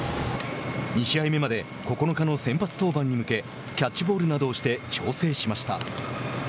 ２試合目まで９日の先発登板に向けキャッチボールなどをして調整しました。